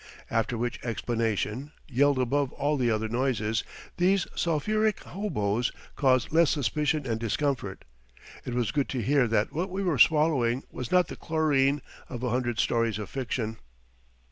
After which explanation yelled above all the other noises these sulphuric hoboes caused less suspicion and discomfort. It was good to hear that what we were swallowing was not the chlorine of a hundred stories of fiction.